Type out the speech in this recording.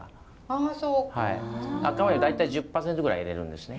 赤ワインを大体１０％ぐらい入れるんですね。